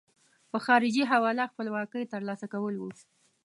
په خارجي حواله خپلواکۍ ترلاسه کول وو.